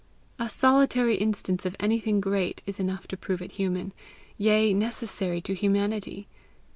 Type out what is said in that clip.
A solitary instance of anything great is enough to prove it human, yea necessary to humanity.